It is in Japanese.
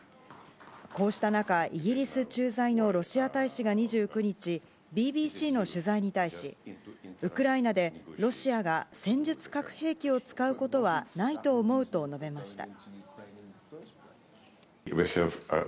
こうした中、イギリス駐在のロシア大使が２９日、ＢＢＣの取材に対し、ウクライナでロシアが戦術核兵器を使うことはないと思うと述べました。